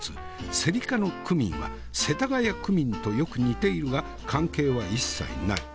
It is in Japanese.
セリ科のクミンは世田谷区民とよく似ているが関係は一切ない。